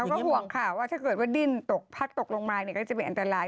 เพราะว่าถ้าเกิดว่าดิ้นพักตกลงมาก็จะเป็นอันตราย